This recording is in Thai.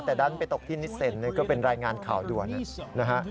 แต่ดันไปตกที่นิดเซ็นก็เป็นรายงานข่าวด่วนนะฮะ